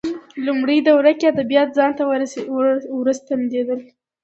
لومړۍ دوره کې ادبیات ځان ته ورستنېدل